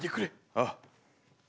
ああ。